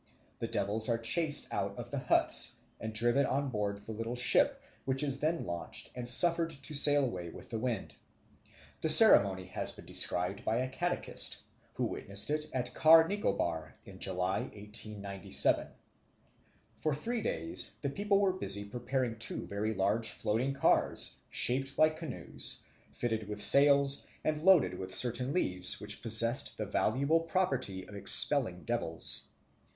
The devils are chased out of the huts, and driven on board the little ship, which is then launched and suffered to sail away with the wind. The ceremony has been described by a catechist, who witnessed it at Car Nicobar in July 1897. For three days the people were busy preparing two very large floating cars, shaped like canoes, fitted with sails, and loaded with certain leaves, which possessed the valuable property of expelling devils.